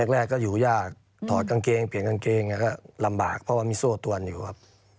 แรกก็อยู่ยากถอดกางเกงเปลี่ยนกางเกงก็ลำบากเพราะว่ามีโซ่ตวนอยู่ครับ